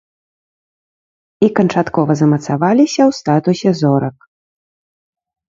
І канчаткова замацаваліся ў статусе зорак.